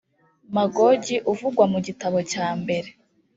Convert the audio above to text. magogi uvugwa mu gitabo cya mbere